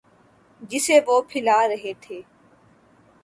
جسے وہ پھیلا رہے تھے۔